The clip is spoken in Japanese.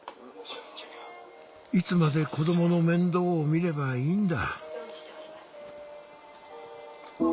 いつまで子供の面倒を見ればいいんだ